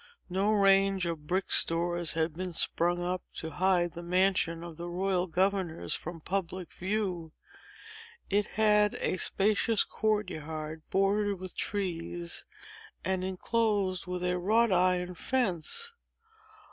No range of brick stores had then sprung up to hide the mansion of the royal governors from public view. It had a spacious court yard, bordered with trees, and enclosed with a wrought iron fence.